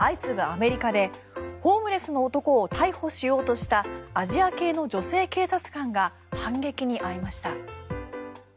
ヘイトクライム憎悪犯罪が相次ぐアメリカでホームレスの男を逮捕しようとしたアジア系の女性警察官が反撃に遭いました。